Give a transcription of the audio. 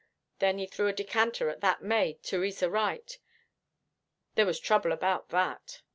Then he threw a decanter at that maid, Theresa Wright there was trouble about that.